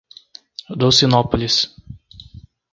Dolcinópolis